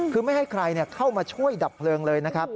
คือไม่ให้ใครเข้ามาช่วยดับเพลิงเลยนะครับ